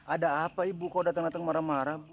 ada apa ibu kau datang datang marah marah